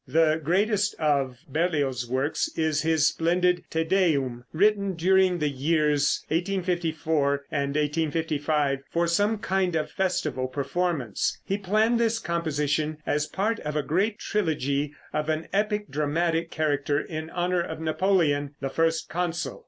The greatest of Berlioz's works is his splendid "Te Deum," written during the years 1854 and 1855, for some kind of festival performance. He planned this composition as part of a great trilogy of an epic dramatic character in honor of Napoleon, the first consul.